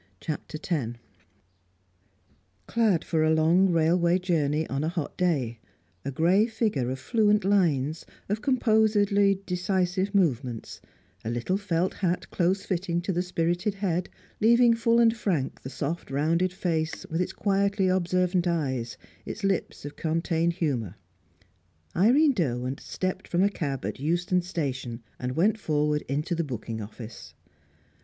CHAPTER X Clad for a long railway journey on a hot day; a grey figure of fluent lines, of composedly decisive movements; a little felt hat close fitting to the spirited head, leaving full and frank the soft rounded face, with its quietly observant eyes, its lips of contained humour Irene Derwent stepped from a cab at Euston Station and went forward into the booking office.